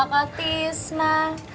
eh ada kakak tisna